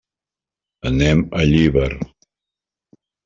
Anem a Llíber.